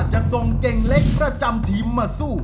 จะส่งเก่งเล็กประจำทีมมาสู้